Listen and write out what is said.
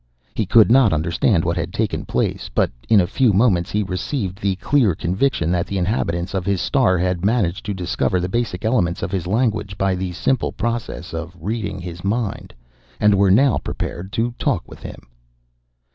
He could not understand what had taken place, but in a few moments he received the clear conviction that the inhabitants of his star had managed to discover the basic elements of his language by the simple process of reading his mind, and were now prepared to talk with him.